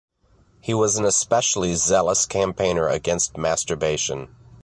He was an especially zealous campaigner against masturbation.